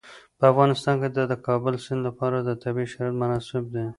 په افغانستان کې د د کابل سیند لپاره طبیعي شرایط مناسب دي.